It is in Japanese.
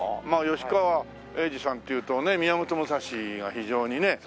吉川英治さんっていうとね『宮本武蔵』が非常にね。